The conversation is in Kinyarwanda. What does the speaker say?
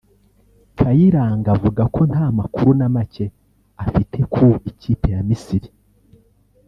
Kayiranga avuga ko nta makuru na make afite ku ikipe ya Misiri